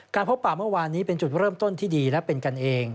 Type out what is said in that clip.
พบป่าเมื่อวานนี้เป็นจุดเริ่มต้นที่ดีและเป็นกันเอง